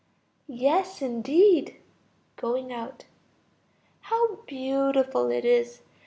Yes, indeed. (Going out.) How beautiful it is!